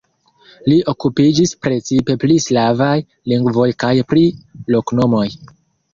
Li okupiĝis precipe pri slavaj lingvoj kaj pri loknomoj.